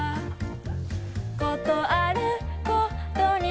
ことあるごとに